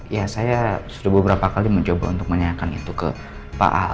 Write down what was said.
ya saya sudah beberapa kali mencoba untuk menanyakan itu ke pak ahok